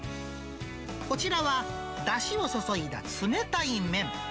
こちらは、だしを注いだ冷たい麺。